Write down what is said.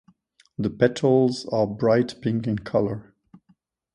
The petals are bright pink in color.